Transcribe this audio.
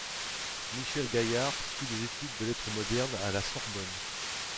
Michel Gaillard suit des études de lettres modernes à la Sorbonne.